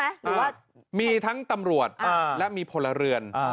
หรือว่ามีทั้งตำรวจและมีพลเรือน